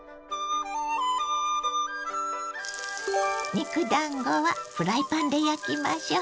肉だんごはフライパンで焼きましょう。